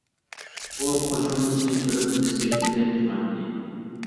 ئۇ قوشۇمىسىنى تۈرۈپ، بىزگە تىكىلىپ تۇراتتى.